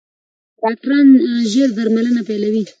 ډاکټران ژر درملنه پیلوي.